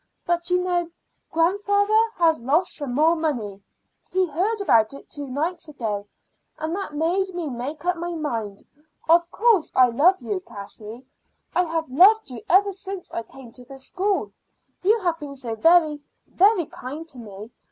But you know, grandfather has lost some more money. He heard about it two nights ago, and that made me make up my mind. Of course I love you, Cassie. I have loved you ever since I came to the school. You have been so very, very kind to me.